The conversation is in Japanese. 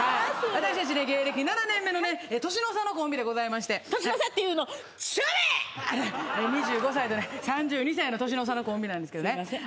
私達ね芸歴７年目のね年の差のコンビでございまして年の差っていうの２５歳とね３２歳の年の差のコンビなんですけどすいません